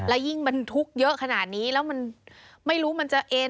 แล้วยิ่งบรรทุกเยอะขนาดนี้แล้วมันไม่รู้มันจะเอ็น